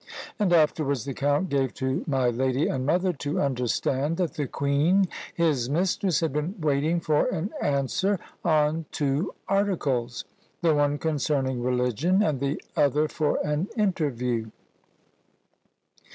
And afterwards the count gave to my lady and mother to understand, that the queen his mistress had been waiting for an answer on two articles; the one concerning religion, and the other for an interview.